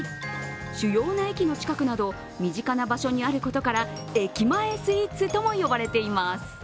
主要な駅の近くなど身近な場所にあることから駅前スイーツとも呼ばれています。